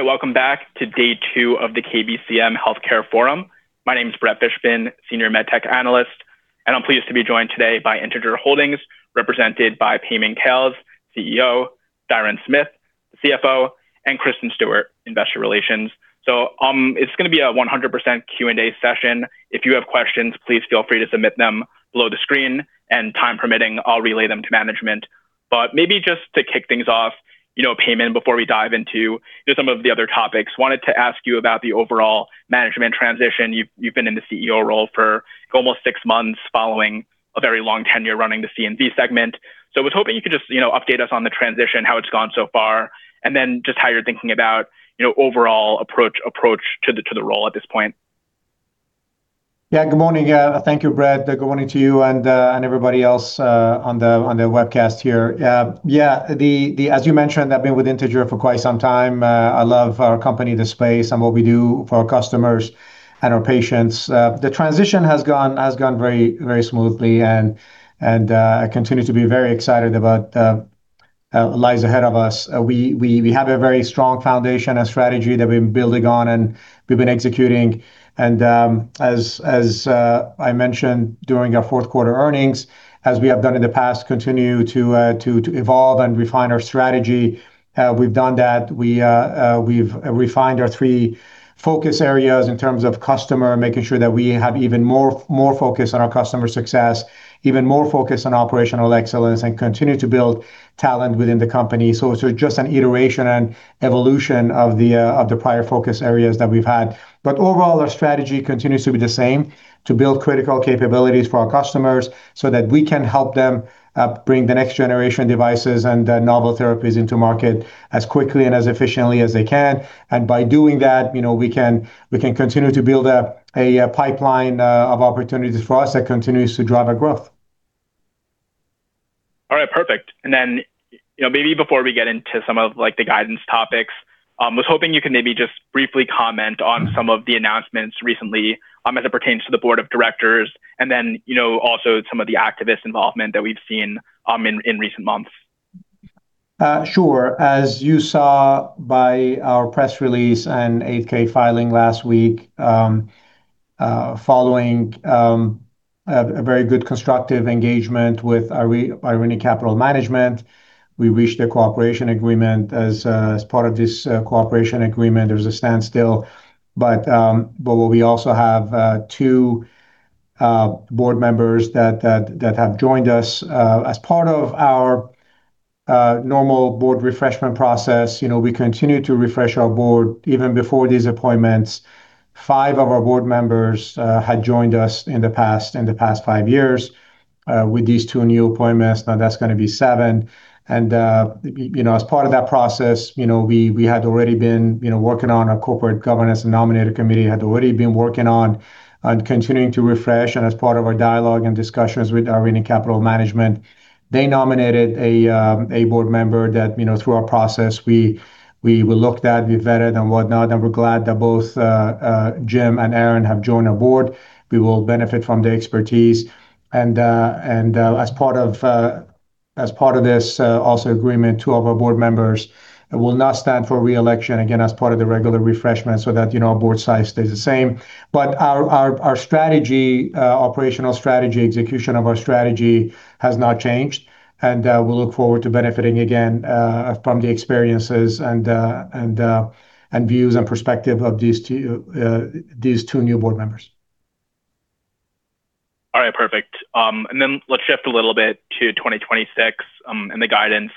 All right. Welcome back to day two of the KBCM Healthcare Forum. My name is Brett Fishbein, Senior MedTech Analyst, and I'm pleased to be joined today by Integer Holdings, represented by Payman Khales, CEO, Diron Smith, CFO, and Kristen Stewart, Investor Relations. It's gonna be a 100% Q&A session. If you have questions, please feel free to submit them below the screen, and time permitting, I'll relay them to management. Maybe just to kick things off, you know, Payman, before we dive into just some of the other topics, wanted to ask you about the overall management transition. You've been in the CEO role for almost six months following a very long tenure running the C&V segment. I was hoping you could just, you know, update us on the transition, how it's gone so far, and then just how you're thinking about, you know, overall approach to the role at this point. Yeah. Good morning. Thank you, Brett. Good morning to you and everybody else on the webcast here. As you mentioned, I've been with Integer for quite some time. I love our company, the space, and what we do for our customers and our patients. The transition has gone very smoothly and I continue to be very excited about what lies ahead of us. We have a very strong foundation and strategy that we've been building on and we've been executing. I mentioned during our fourth quarter earnings, as we have done in the past, we continue to evolve and refine our strategy. We've done that. We've refined our three focus areas in terms of customer, making sure that we have even more focus on our customer success, even more focus on operational excellence, and continue to build talent within the company. Just an iteration and evolution of the prior focus areas that we've had. Overall, our strategy continues to be the same, to build critical capabilities for our customers so that we can help them bring the next generation devices and the novel therapies into market as quickly and as efficiently as they can. By doing that we can continue to build a pipeline of opportunities for us that continues to drive our growth. All right. Perfect. Maybe before we get into some of, like, the guidance topics, was hoping you can maybe just briefly comment on some of the announcements recently, as it pertains to the board of directors. Also some of the activist involvement that we've seen, in recent months. Sure. As you saw by our press release and 8-K filing last week, following a very good constructive engagement with Irenic Capital Management, we reached a cooperation agreement. As part of this cooperation agreement, there's a standstill, but we also have two board members that have joined us as part of our normal board refreshment process. We continue to refresh our board. Even before these appointments, five of our board members had joined us in the past five years. With these two new appointments, now that's gonna be seven. As part of that process we had already been working on our corporate governance and nominating committee had already been working on continuing to refresh. As part of our dialogue and discussions with Irenic Capital Management, they nominated a board member that through our process, we looked at, we vetted and whatnot. We're glad that both Jim and Aaron have joined our board. We will benefit from their expertise. As part of this agreement, two of our board members will now stand for re-election again as part of the regular refreshment so that our board size stays the same. Our strategy, operational strategy, execution of our strategy has not changed. We look forward to benefiting from the experiences and views and perspective of these two new board members. All right. Perfect. Let's shift a little bit to 2026, and the guidance.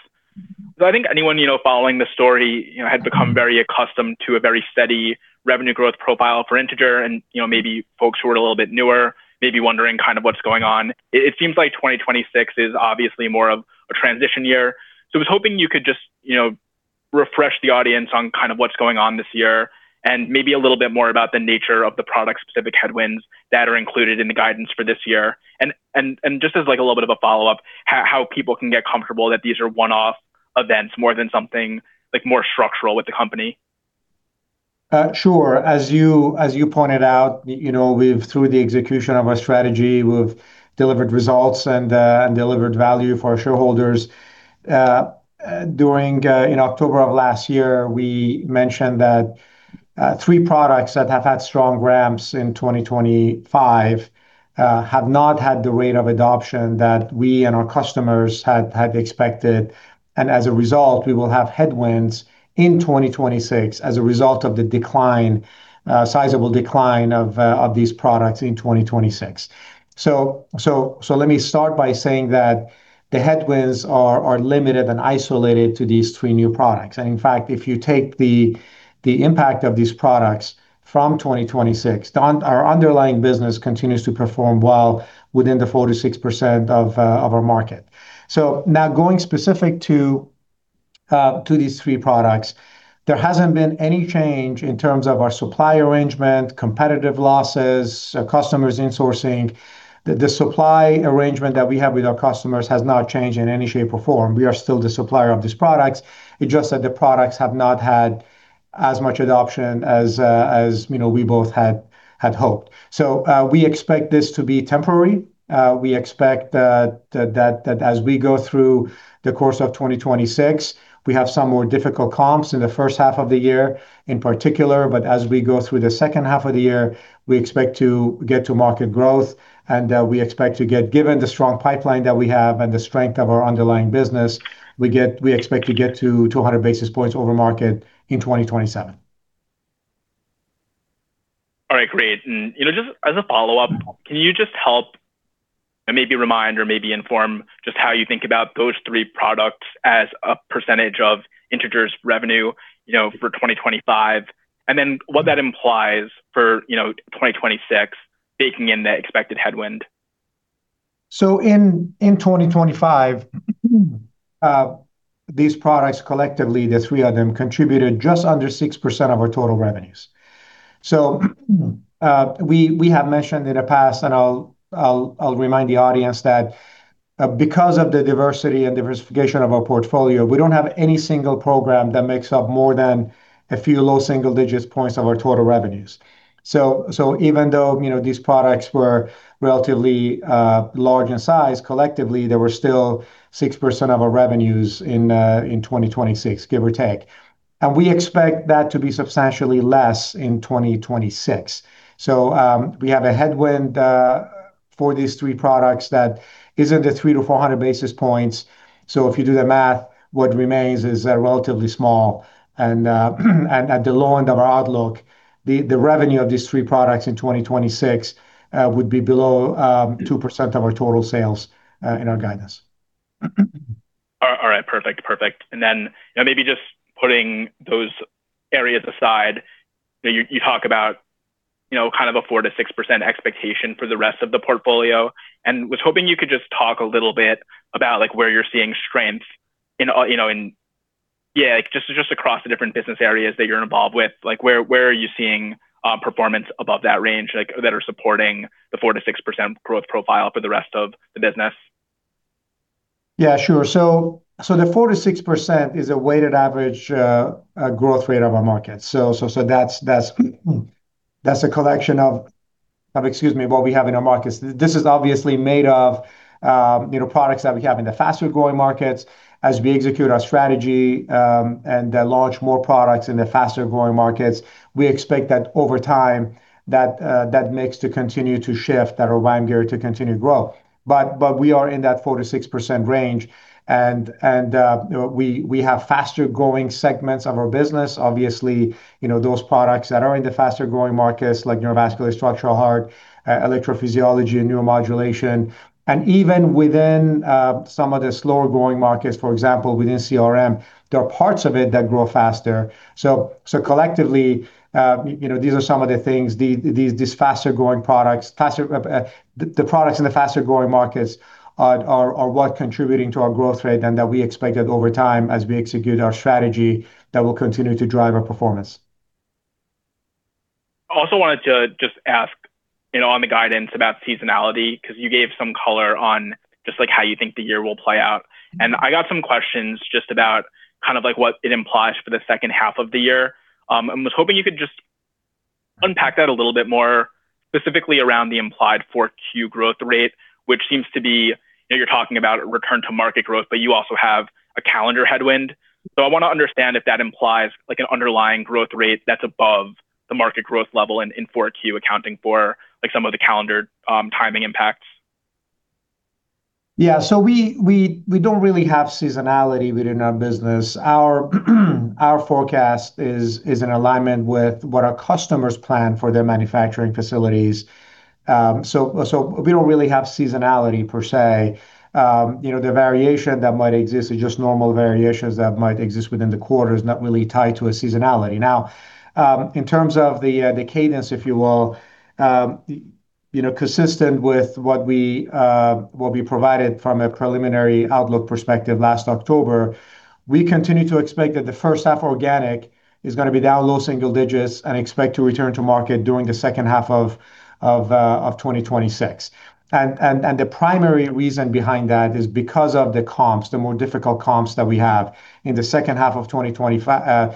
I think anyone following the story, you know, had become very accustomed to a very steady revenue growth profile for Integer and maybe folks who are a little bit newer, maybe wondering kind of what's going on. It seems like 2026 is obviously more of a transition year. I was hoping you could just refresh the audience on kind of what's going on this year and maybe a little bit more about the nature of the product-specific headwinds that are included in the guidance for this year. Just as like a little bit of a follow-up, how people can get comfortable that these are one-off events more than something, like, more structural with the company. Sure. As you pointed out through the execution of our strategy, we've delivered results and delivered value for our shareholders. In October of last year, we mentioned that three products that have had strong ramps in 2025 have not had the rate of adoption that we and our customers had expected. As a result, we will have headwinds in 2026 as a result of the sizable decline of these products in 2026. Let me start by saying that the headwinds are limited and isolated to these three new products. In fact, if you take the impact of these products from 2026, our underlying business continues to perform well within the 4%-6% of our market. Now going specific to these three products, there hasn't been any change in terms of our supply arrangement, competitive losses, customers insourcing. The supply arrangement that we have with our customers has not changed in any shape or form. We are still the supplier of these products. It's just that the products have not had as much adoption as you know we both had hoped. We expect this to be temporary. We expect that as we go through the course of 2026, we have some more difficult comps in the first half of the year, in particular. As we go through the second half of the year, we expect to get to market growth, and, given the strong pipeline that we have and the strength of our underlying business, we expect to get to 200 basis points over market in 2027. All right, great. Just as a follow-up, can you just help and maybe remind or maybe inform just how you think about those three products as a percentage of Integer's revenue for 2025, and then what that implies for 2026 baking in the expected headwind? In 2025, these products collectively, the three of them, contributed just under 6% of our total revenues. We have mentioned in the past, and I'll remind the audience that, because of the diversity and diversification of our portfolio, we don't have any single program that makes up more than a few low single-digit points of our total revenues. Even though these products were relatively large in size, collectively, they were still 6% of our revenues in 2026, give or take. We expect that to be substantially less in 2026. We have a headwind for these three products that is in the 300-400 basis points. If you do the math, what remains is relatively small. At the low end of our outlook, the revenue of these three products in 2026 would be below 2% of our total sales in our guidance. All right, perfect. Maybe just putting those areas aside that you talk about, you know, kind of a 4%-6% expectation for the rest of the portfolio. Was hoping you could just talk a little bit about, like, where you're seeing strength in just across the different business areas that you're involved with. Like, where are you seeing performance above that range, like, that are supporting the 4%-6% growth profile for the rest of the business? Yeah, sure. The 4%-6% is a weighted average growth rate of our market. That's a collection of, excuse me, what we have in our markets. This is obviously made of products that we have in the faster-growing markets. As we execute our strategy and launch more products in the faster-growing markets. We expect that over time, that mix to continue to shift, that weighted average to continue to grow. We are in that 4%-6% range and we have faster-growing segments of our business. Obviously those products that are in the faster-growing markets like neurovascular, structural heart, electrophysiology and neuromodulation. Even within some of the slower-growing markets, for example, within CRM, there are parts of it that grow faster. Collectively these are some of the things, these faster-growing products. The products in the faster-growing markets are what contributing to our growth rate and that we expected over time as we execute our strategy that will continue to drive our performance. Also wanted to just ask on the guidance about seasonality, 'cause you gave some color on just, like, how you think the year will play out. I got some questions just about kind of like what it implies for the second half of the year. I was hoping you could just unpack that a little bit more specifically around the implied 4Q growth rate, which seems to be, you know, you're talking about a return to market growth, but you also have a calendar headwind. I wanna understand if that implies like an underlying growth rate that's above the market growth level and in 4Q accounting for like some of the calendar, timing impacts. Yeah. We don't really have seasonality within our business. Our forecast is in alignment with what our customers plan for their manufacturing facilities. We don't really have seasonality per se. The variation that might exist is just normal variations that might exist within the quarters, not really tied to a seasonality. Now, in terms of the cadence, if you will, you know, consistent with what we provided from a preliminary outlook perspective last October, we continue to expect that the first half organic is gonna be down low single digits and expect to return to market during the second half of 2026. The primary reason behind that is because of the comps, the more difficult comps that we have in the first half of 2025.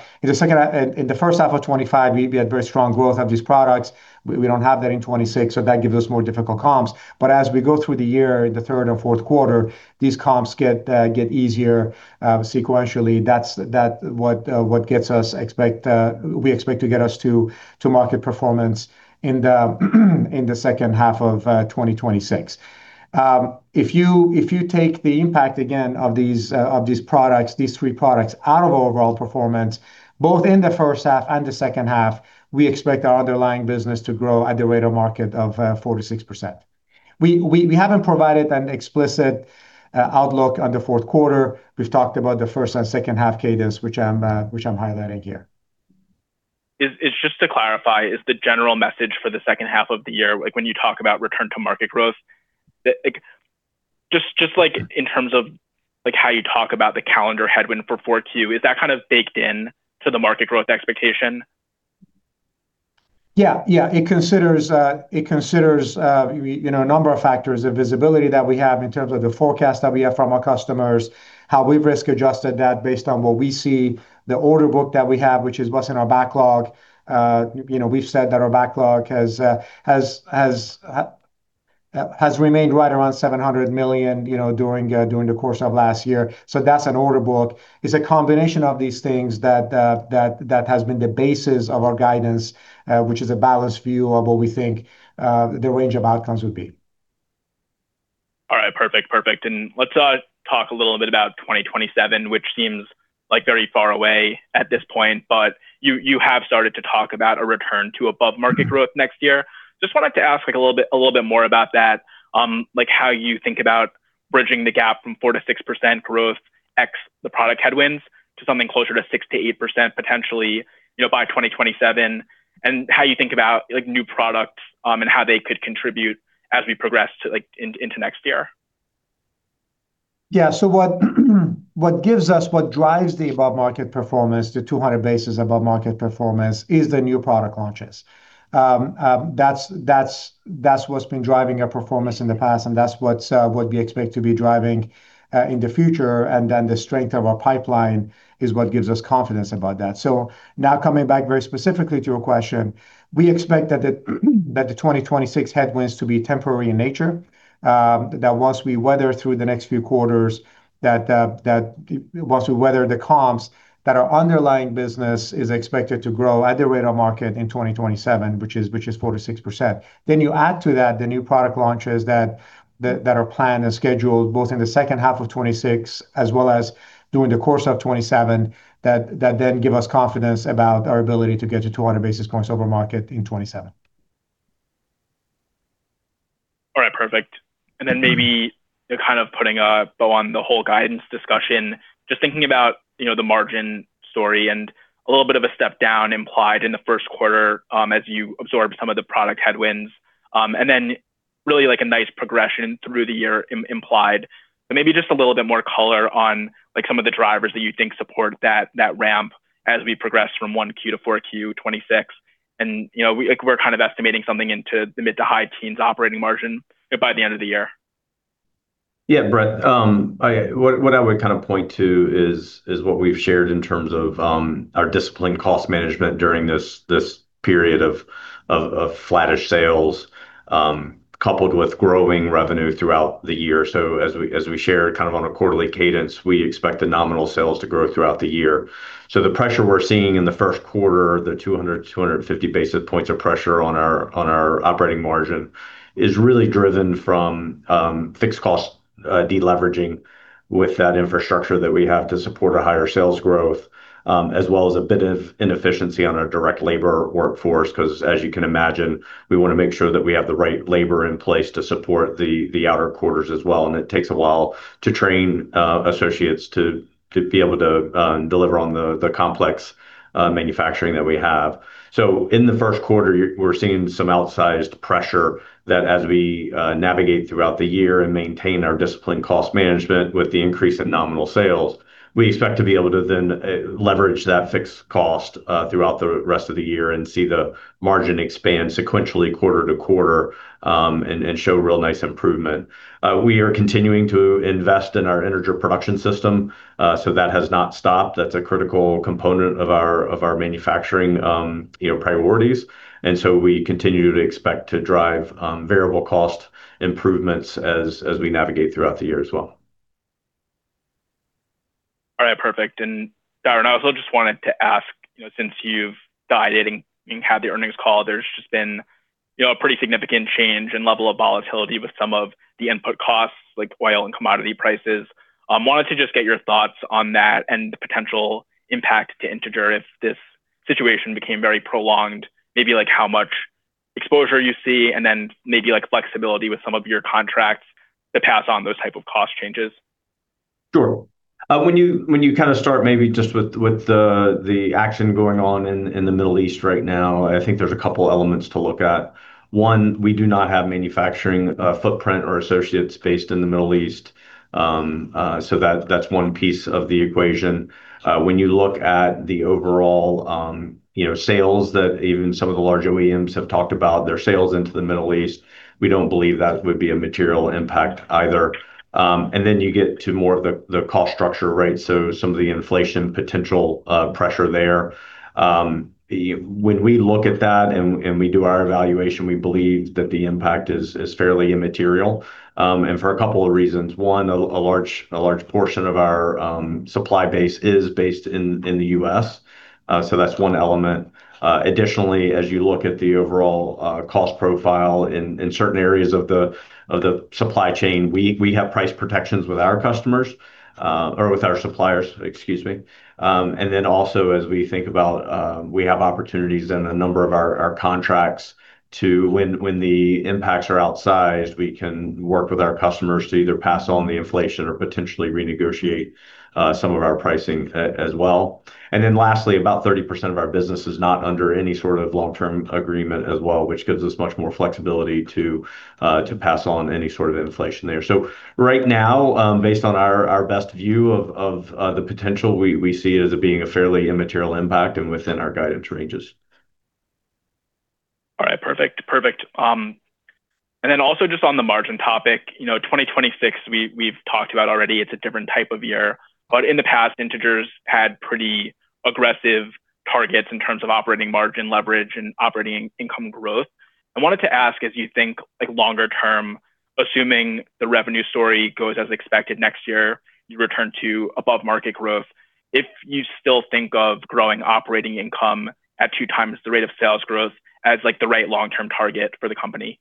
We had very strong growth of these products. We don't have that in 2026, so that gives us more difficult comps. As we go through the year, the third and fourth quarter, these comps get easier sequentially. That's what we expect to get us to market performance in the second half of 2026. If you take the impact again of these products, these three products out of our overall performance, both in the first half and the second half, we expect our underlying business to grow at the market rate of 4%-6%. We haven't provided an explicit outlook on the fourth quarter. We've talked about the first and second half cadence, which I'm highlighting here. Is just to clarify, is the general message for the second half of the year, like when you talk about return to market growth, like just like in terms of like how you talk about the calendar headwind for 4Q, is that kind of baked into the market growth expectation? Yeah, it considers you know, a number of factors. The visibility that we have in terms of the forecast that we have from our customers, how we've risk-adjusted that based on what we see, the order book that we have, which is what's in our backlog. We've said that our backlog has remained right around $700 million you know, during the course of last year. That's an order book. It's a combination of these things that has been the basis of our guidance, which is a balanced view of what we think the range of outcomes would be. All right. Perfect. Let's talk a little bit about 2027, which seems like very far away at this point, but you have started to talk about a return to above-market growth next year. Just wanted to ask, like, a little bit more about that, like how you think about bridging the gap from 4%-6% growth ex the product headwinds to something closer to 6%-8% potentially by 2027, and how you think about, like, new products, and how they could contribute as we progress to, like, into next year. Yeah. What drives the above-market performance, the 200 basis above-market performance, is the new product launches. That's what's been driving our performance in the past, and that's what we expect to be driving in the future. The strength of our pipeline is what gives us confidence about that. Now coming back very specifically to your question, we expect that the 2026 headwinds to be temporary in nature, that once we weather through the next few quarters, that once we weather the comps, that our underlying business is expected to grow at the market rate in 2027, which is 4%-6%. You add to that the new product launches that are planned and scheduled both in the second half of 2026 as well as during the course of 2027, that then give us confidence about our ability to get to 200 basis points over market in 2027. All right. Perfect. Then maybe kind of putting a bow on the whole guidance discussion, just thinking about, you know, the margin story and a little bit of a step down implied in the first quarter, as you absorb some of the product headwinds, and then really like a nice progression through the year implied. Maybe just a little bit more color on, like, some of the drivers that you think support that ramp as we progress from 1Q to 4Q 2026. You know, like, we're kind of estimating something into the mid- to high-teens% operating margin by the end of the year. Yeah. Brett, what I would kind of point to is what we've shared in terms of our disciplined cost management during this period of flattish sales, coupled with growing revenue throughout the year. As we shared kind of on a quarterly cadence, we expect the nominal sales to grow throughout the year. The pressure we're seeing in the first quarter, the 250 basis points of pressure on our operating margin, is really driven from fixed cost deleveraging with that infrastructure that we have to support a higher sales growth, as well as a bit of inefficiency on our direct labor workforce. 'Cause as you can imagine, we wanna make sure that we have the right labor in place to support the outer quarters as well, and it takes a while to train associates to be able to deliver on the complex manufacturing that we have. In the first quarter, we're seeing some outsized pressure, that as we navigate throughout the year and maintain our disciplined cost management with the increase in nominal sales. We expect to be able to then leverage that fixed cost throughout the rest of the year and see the margin expand sequentially quarter to quarter and show real nice improvement. We are continuing to invest in our Integer Production System, so that has not stopped. That's a critical component of our manufacturing, you know, priorities. We continue to expect to drive variable cost improvements as we navigate throughout the year as well. All right. Perfect. Diron, I also just wanted to ask, you know, since you've guided and had the earnings call, there's just been a pretty significant change in level of volatility with some of the input costs, like oil and commodity prices. Wanted to just get your thoughts on that and the potential impact to Integer if this situation became very prolonged, maybe like how much exposure you see and then maybe like flexibility with some of your contracts to pass on those type of cost changes. Sure. When you kind of start maybe just with the action going on in the Middle East right now, I think there's a couple elements to look at. One, we do not have manufacturing footprint or associates based in the Middle East. So that's one piece of the equation. When you look at the overall, you know, sales that even some of the larger OEMs have talked about, their sales into the Middle East, we don't believe that would be a material impact either. Then you get to more of the cost structure, right? So some of the inflation potential pressure there. When we look at that and we do our evaluation, we believe that the impact is fairly immaterial, and for a couple of reasons. One, a large portion of our supply base is based in the U.S., so that's one element. Additionally, as you look at the overall cost profile in certain areas of the supply chain, we have price protections with our customers, or with our suppliers, excuse me. Then also as we think about, we have opportunities in a number of our contracts to when the impacts are outsized, we can work with our customers to either pass on the inflation or potentially renegotiate some of our pricing as well. Then lastly, about 30% of our business is not under any sort of long-term agreement as well, which gives us much more flexibility to pass on any sort of inflation there. Right now, based on our best view of the potential, we see it as being a fairly immaterial impact and within our guidance ranges. Perfect. Just on the margin topic, you know, 2026 we've talked about already. It's a different type of year. In the past, Integer had pretty aggressive targets in terms of operating margin leverage and operating income growth. I wanted to ask as you think, like, longer term, assuming the revenue story goes as expected next year, you return to above-market growth, if you still think of growing operating income at two times the rate of sales growth as, like, the right long-term target for the company?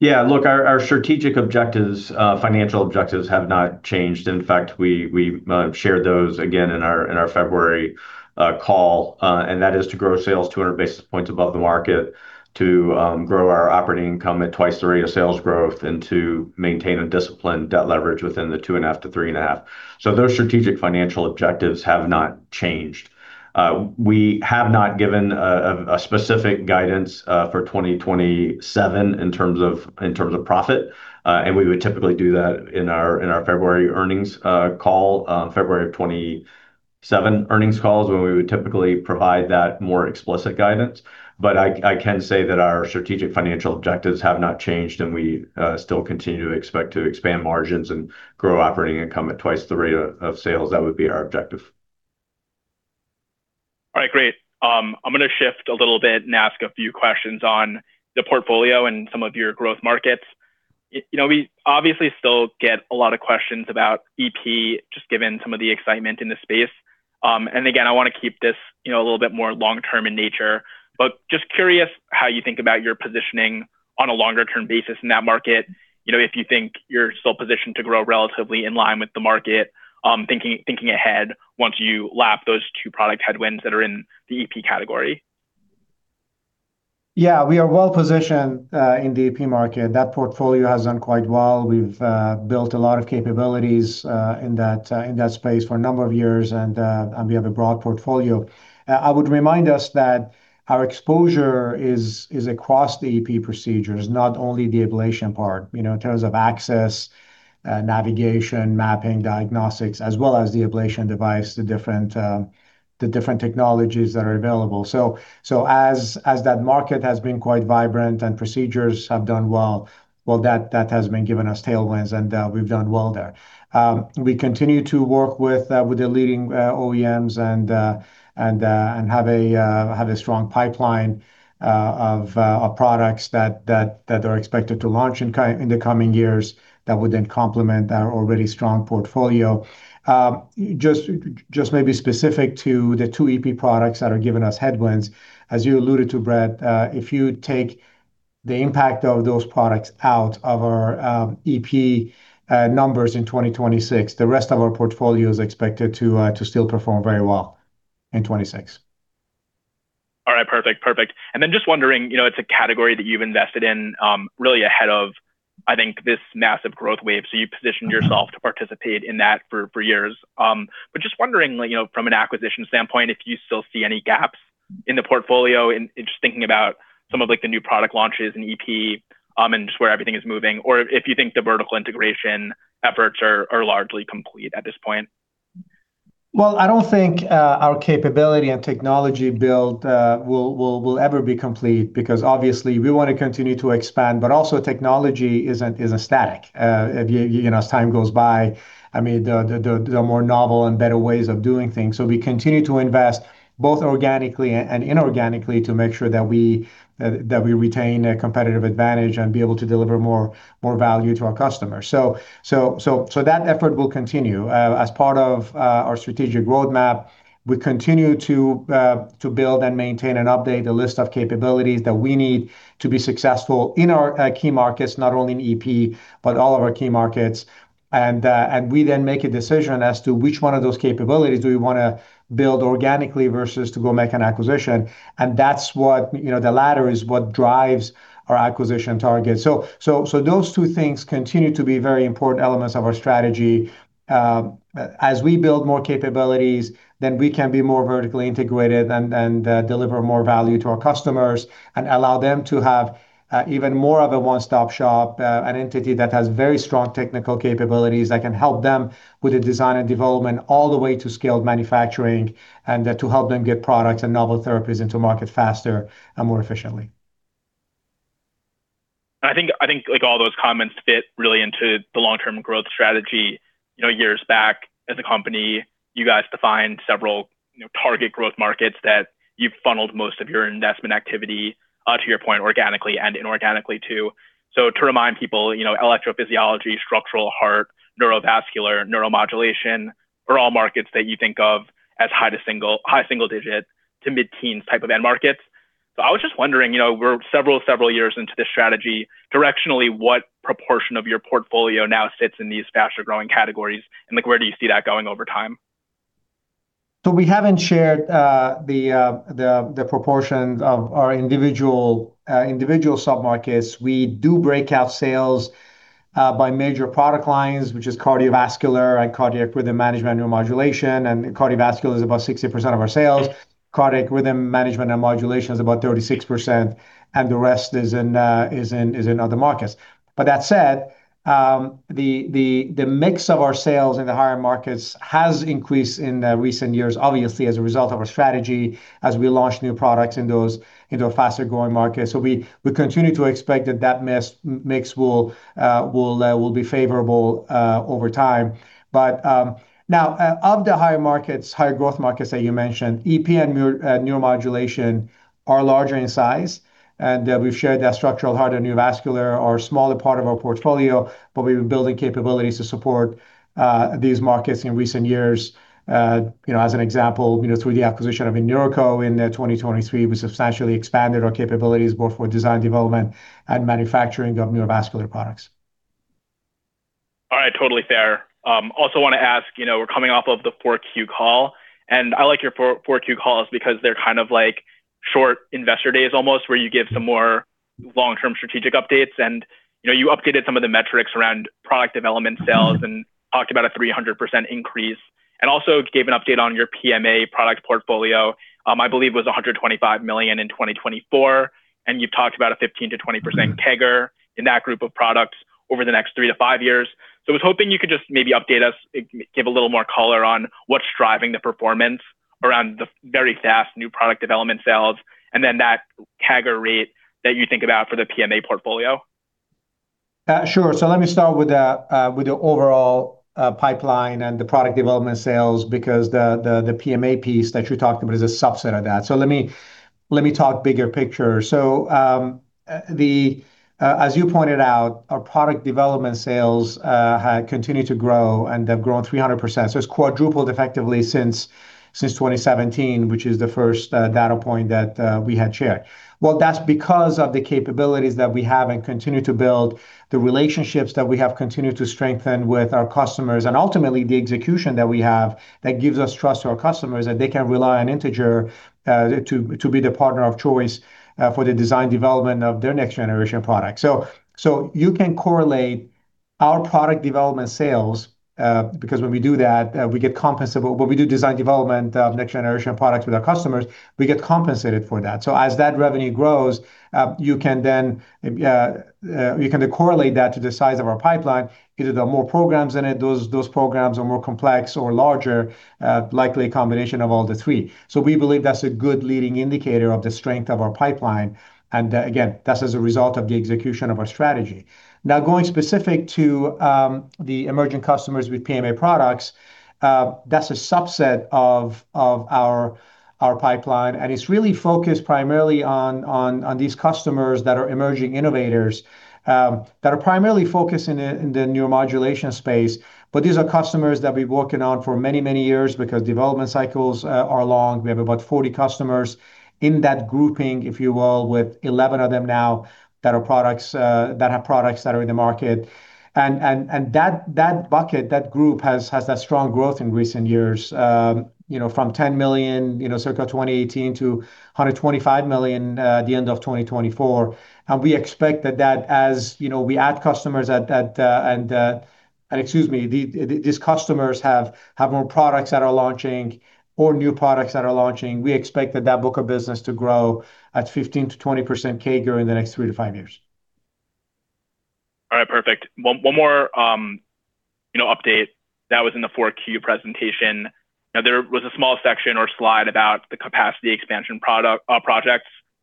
Yeah. Look, our strategic objectives, financial objectives have not changed. In fact, we shared those again in our February call, and that is to grow sales 200 basis points above the market to grow our operating income at twice the rate of sales growth and to maintain a disciplined debt leverage within the 2.5-3.5. Those strategic financial objectives have not changed. We have not given a specific guidance for 2027 in terms of profit. We would typically do that in our February earnings call, February of 2027 earnings call when we would typically provide that more explicit guidance. I can say that our strategic financial objectives have not changed, and we still continue to expect to expand margins and grow operating income at twice the rate of sales. That would be our objective. All right, great. I'm gonna shift a little bit and ask a few questions on the portfolio and some of your growth markets. You know, we obviously still get a lot of questions about EP just given some of the excitement in the space. Again, I wanna keep this, you know, a little bit more long-term in nature, but just curious how you think about your positioning on a longer term basis in that market. You know, if you think you're still positioned to grow relatively in line with the market, thinking ahead once you lap those two product headwinds that are in the EP category. Yeah. We are well-positioned in the EP market. That portfolio has done quite well. We've built a lot of capabilities in that space for a number of years, and we have a broad portfolio. I would remind us that our exposure is across the EP procedures, not only the ablation part in terms of access, navigation, mapping, diagnostics, as well as the ablation device, the different technologies that are available. So as that market has been quite vibrant and procedures have done well, that has been giving us tailwinds, and we've done well there. We continue to work with the leading OEMs and have a strong pipeline of products that are expected to launch in the coming years that would then complement our already strong portfolio. Just maybe specific to the two EP products that are giving us headwinds, as you alluded to, Brett Fishbein, if you take the impact of those products out of our EP numbers in 2026, the rest of our portfolio is expected to still perform very well in 2026. All right. Perfect. Just wondering it's a category that you've invested in, really ahead of, I think, this massive growth wave, so you positioned yourself to participate in that for years. Just wondering, like from an acquisition standpoint, if you still see any gaps in the portfolio in just thinking about some of, like, the new product launches in EP, and just where everything is moving, or if you think the vertical integration efforts are largely complete at this point. Well, I don't think our capability and technology build will ever be complete because obviously we wanna continue to expand, but also technology isn't static. As time goes by, I mean, the more novel and better ways of doing things. We continue to invest both organically and inorganically to make sure that we retain a competitive advantage and be able to deliver more value to our customers. That effort will continue. As part of our strategic roadmap, we continue to build and maintain and update a list of capabilities that we need to be successful in our key markets, not only in EP, but all of our key markets. We then make a decision as to which one of those capabilities do we wanna build organically versus to go make an acquisition. That's what the latter is what drives our acquisition targets. Those two things continue to be very important elements of our strategy. As we build more capabilities, then we can be more vertically integrated and deliver more value to our customers and allow them to have even more of a one-stop shop, an entity that has very strong technical capabilities that can help them with the design and development all the way to scaled manufacturing, and to help them get products and novel therapies into market faster and more efficiently. I think, like, all those comments fit really into the long-term growth strategy. Years back as a company, you guys defined several target growth markets that you funneled most of your investment activity, to your point, organically and inorganically too. To remind people, Electrophysiology, structural heart, neurovascular, Neuromodulation are all markets that you think of as high single-digit to mid-teens type of end markets. I was just wondering, you know, we're several years into this strategy, directionally what proportion of your portfolio now sits in these faster growing categories, and, like, where do you see that going over time? We haven't shared the proportions of our individual sub-markets. We do break out sales by major product lines, which is Cardiovascular and Cardiac Rhythm Management & Neuromodulation, and Cardiovascular is about 60% of our sales. Cardiac Rhythm Management and Neuromodulation is about 36%, and the rest is in other markets. But that said, the mix of our sales in the higher markets has increased in recent years, obviously, as a result of our strategy as we launch new products in those into a faster-growing market. We continue to expect that mix will be favorable over time. Now, of the higher markets, higher growth markets that you mentioned, EP and neuromodulation are larger in size, and we've shared that structural heart and neurovascular are a smaller part of our portfolio, but we've been building capabilities to support these markets in recent years. As an example through the acquisition of InNeuroCo in 2023, we substantially expanded our capabilities both for design development and manufacturing of neurovascular products. All right. Totally fair. Also wanna ask we're coming off of the 4Q call, and I like your 4Q calls because they're kind of like short investor days almost, where you give some more long-term strategic updates and you updated some of the metrics around product development sales talked about a 300% increase, and also gave an update on your PMA product portfolio. I believe it was $125 million in 2024. And you've talked about a 15%-20% CAGR in that group of products over the next three to five years. I was hoping you could just maybe update us, give a little more color on what's driving the performance around the very fast new product development sales and then that CAGR rate that you think about for the PMA portfolio. Sure. Let me start with the overall pipeline and the product development sales because the PMA piece that you talked about is a subset of that. Let me talk bigger picture. As you pointed out, our product development sales have continued to grow, and they've grown 300%. It's quadrupled effectively since 2017, which is the first data point that we had shared. Well, that's because of the capabilities that we have and continue to build, the relationships that we have continued to strengthen with our customers, and ultimately the execution that we have that gives us trust to our customers that they can rely on Integer to be the partner of choice for the design development of their next generation product. You can correlate our product development sales, because when we do design development of next generation products with our customers, we get compensated for that. As that revenue grows, you can correlate that to the size of our pipeline. Either there are more programs in it, those programs are more complex or larger, likely a combination of all the three. We believe that's a good leading indicator of the strength of our pipeline, and again, that's as a result of the execution of our strategy. Now, going specific to the emerging customers with PMA products, that's a subset of our pipeline, and it's really focused primarily on these customers that are emerging innovators that are primarily focused in the neuromodulation space. These are customers that we've been working on for many years because development cycles are long. We have about 40 customers in that grouping, if you will, with 11 of them now that have products that are in the market. That bucket, that group has that strong growth in recent years, you know, from $10 million, you know, circa 2018 to $125 million at the end of 2024. We expect that as, you know, we add customers, these customers have more products that are launching or new products that are launching. We expect that book of business to grow at 15%-20% CAGR in the next 3-5 years. All right. Perfect. One more update that was in the 4Q presentation. Now, there was a small section or slide about the capacity expansion projects.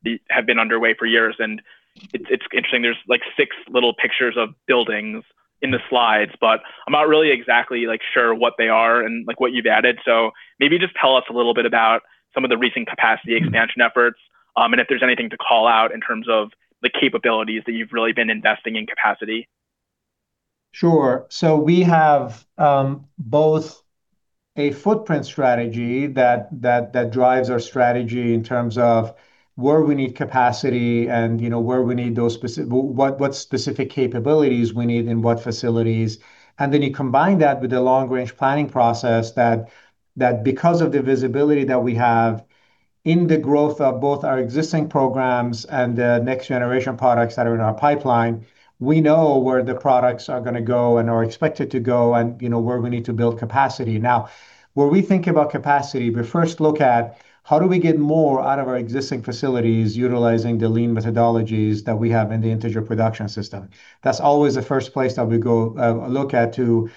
These have been underway for years, and it's interesting. There's like six little pictures of buildings in the slides, but I'm not really exactly like sure what they are and like what you've added. So maybe just tell us a little bit about some of the recent capacity expansion efforts, and if there's anything to call out in terms of the capabilities that you've really been investing in capacity. We have both a footprint strategy that drives our strategy in terms of where we need capacity and, you know, what specific capabilities we need in what facilities. You combine that with the long-range planning process that because of the visibility that we have in the growth of both our existing programs and the next generation products that are in our pipeline. We know where the products are gonna go and are expected to go and, you know, where we need to build capacity. Now, where we think about capacity, we first look at how do we get more out of our existing facilities utilizing the lean methodologies that we have in the Integer Production System. That's always the first place that we go look at to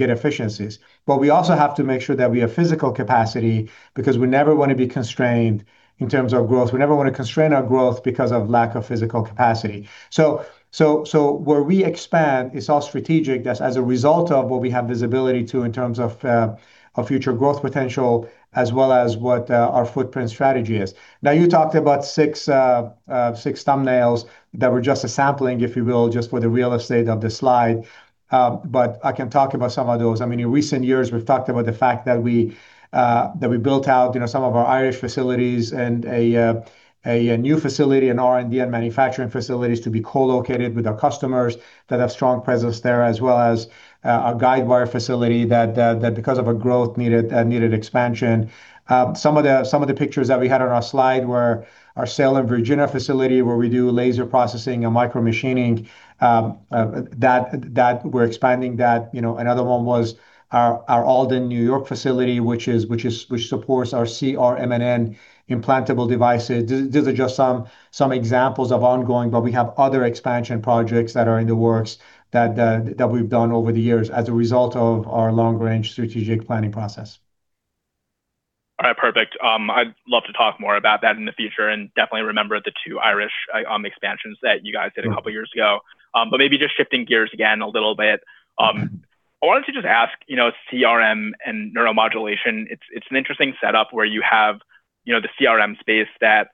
get efficiencies. We also have to make sure that we have physical capacity because we never wanna be constrained in terms of growth. We never wanna constrain our growth because of lack of physical capacity. Where we expand is all strategic. That's as a result of what we have visibility to in terms of future growth potential as well as what our footprint strategy is. Now, you talked about six thumbnails that were just a sampling, if you will, just for the real estate of the slide. I can talk about some of those. I mean, in recent years, we've talked about the fact that we built out, you know, some of our Irish facilities and a new facility in R&D and manufacturing facilities to be co-located with our customers that have strong presence there, as well as a guide wire facility that because of a growth needed expansion. Some of the pictures that we had on our slide were our Salem, Virginia facility where we do laser processing and micromachining, that we're expanding that. You know, another one was our Alden, New York facility, which supports our CRM&N implantable devices. These are just some examples of ongoing, but we have other expansion projects that are in the works that we've done over the years as a result of our long-range strategic planning process. Perfect. I'd love to talk more about that in the future, and definitely remember the two Ireland expansions that you guys did a couple years ago. Maybe just shifting gears again a little bit. I wanted to just ask, you know, CRM and neuromodulation, it's an interesting setup where you have, you know, the CRM space that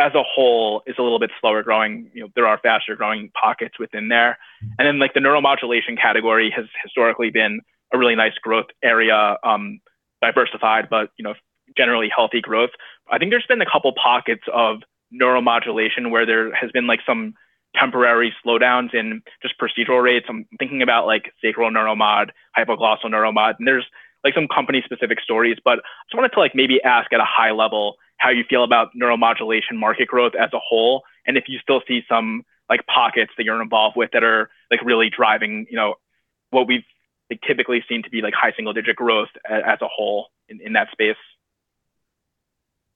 as a whole is a little bit slower-growing. You know, there are faster-growing pockets within there. Then, like, the neuromodulation category has historically been a really nice growth area, diversified but, you know, generally healthy growth. I think there's been a couple pockets of neuromodulation where there has been, like, some temporary slowdowns in just procedural rates. I'm thinking about, like, sacral neuromod, hypoglossal neuromod, and there's, like, some company-specific stories. I just wanted to, like, maybe ask at a high level how you feel about neuromodulation market growth as a whole, and if you still see some, like, pockets that you're involved with that are, like, really driving, you know, what we've, like, typically seen to be, like, high single-digit growth as a whole in that space?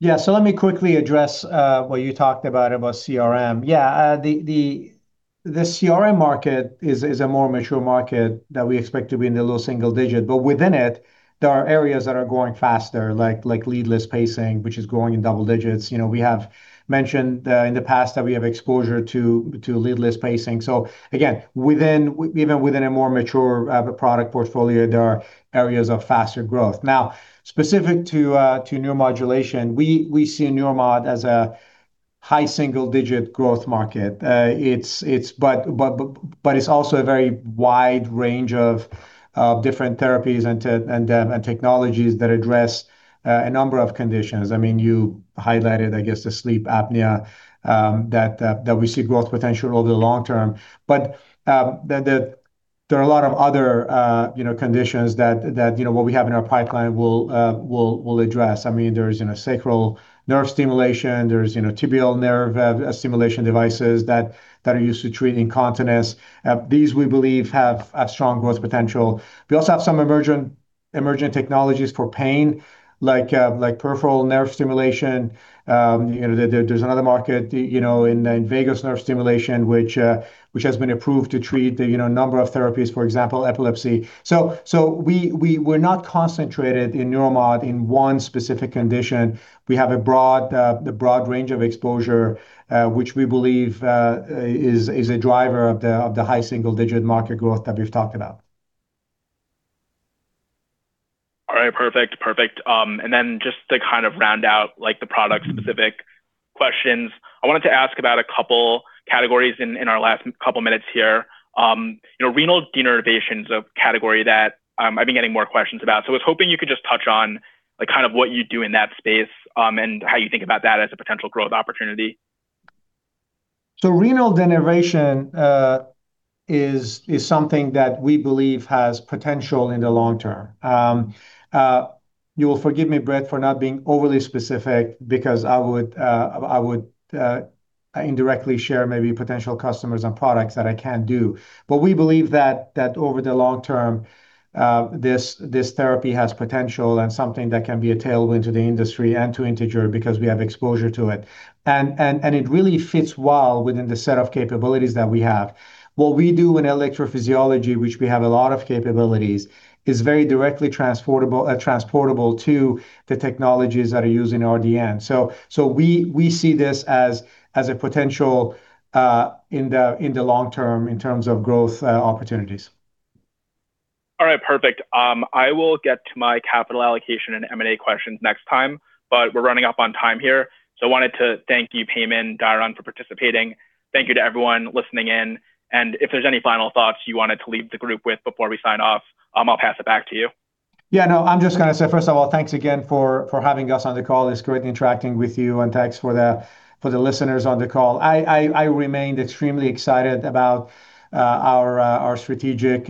Yeah. Let me quickly address what you talked about CRM. Yeah. The CRM market is a more mature market that we expect to be in the low single digit. Within it, there are areas that are growing faster, like Leadless Pacing, which is growing in double digits. We have mentioned in the past that we have exposure to Leadless Pacing. Again, within even within a more mature product portfolio, there are areas of faster growth. Now, specific to neuromodulation, we see neuromod as a high single-digit growth market. It's also a very wide range of different therapies and technologies that address a number of conditions. I mean, you highlighted, I guess, the sleep apnea that we see growth potential over the long term. There are a lot of other, you know, conditions that, you know, what we have in our pipeline will address. I mean, there's, you know, sacral nerve stimulation, there's, you know, tibial nerve stimulation devices that are used to treat incontinence. These we believe have strong growth potential. We also have some emergent technologies for pain, like peripheral nerve stimulation. You know, there's another market, you know, in the vagus nerve stimulation, which has been approved to treat, you know, a number of therapies, for example, epilepsy. We're not concentrated in neuromodulation in one specific condition. We have a broad range of exposure, which we believe is a driver of the high single-digit market growth that we've talked about. All right. Perfect. Perfect. Then just to kind of round out, like, the product-specific questions, I wanted to ask about a couple categories in our last couple minutes here. You know, renal denervation is a category that I've been getting more questions about, so I was hoping you could just touch on, like, kind of what you do in that space, and how you think about that as a potential growth opportunity. Renal denervation is something that we believe has potential in the long term. You will forgive me, Brett, for not being overly specific because I would indirectly share maybe potential customers and products that I can't do. We believe that over the long term, this therapy has potential and something that can be a tailwind to the industry and to Integer because we have exposure to it. It really fits well within the set of capabilities that we have. What we do in electrophysiology, which we have a lot of capabilities, is very directly transportable to the technologies that are used in RDN. We see this as a potential in the long term in terms of growth opportunities. All right. Perfect. I will get to my capital allocation and M&A questions next time, but we're running up on time here, so I wanted to thank you, Payman, Diron for participating. Thank you to everyone listening in, and if there's any final thoughts you wanted to leave the group with before we sign off, I'll pass it back to you. Yeah, no. I'm just gonna say, first of all, thanks again for having us on the call. It's great interacting with you, and thanks for the listeners on the call. I remain extremely excited about our strategic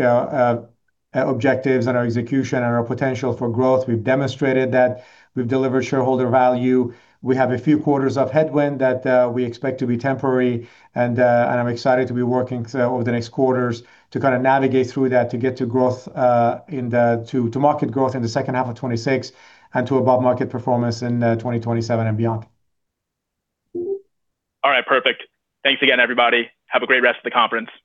objectives and our execution and our potential for growth. We've demonstrated that we've delivered shareholder value. We have a few quarters of headwind that we expect to be temporary, and I'm excited to be working over the next quarters to kind of navigate through that to get to growth, to market growth in the second half of 2026 and to above market performance in 2027 and beyond. All right. Perfect. Thanks again, everybody. Have a great rest of the conference. Thank you.